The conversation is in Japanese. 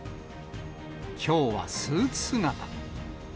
きょうはスーツ姿。